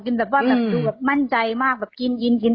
กินแบบว่ามั่นใจมากแบบกินยิน